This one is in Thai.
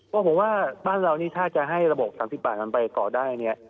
ก็ผมว่าบ้านเรานี่ถ้าจะให้ระบบ๓๐บาทมันไปก่อได้เนี่ย